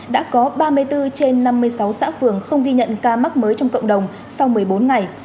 đã có ba mươi bốn trên năm mươi sáu xã phường không ghi nhận ca mắc mới trong cộng đồng sau một mươi bốn ngày